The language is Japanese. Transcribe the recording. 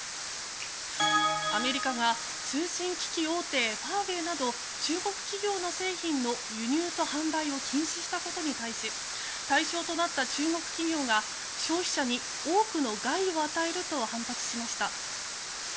アメリカが通信機器大手ファーウェイなど中国企業の製品の輸入と販売を禁止したことに対し対象となった中国企業が消費者に多くの害を与えると反発しました。